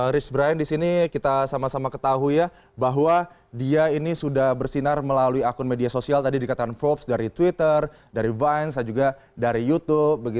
riz brian di sini kita sama sama ketahui ya bahwa dia ini sudah bersinar melalui akun media sosial tadi dikatakan forbes dari twitter dari vine dan juga dari youtube